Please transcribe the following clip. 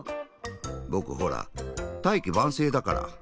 ぼくほら大器晩成だから。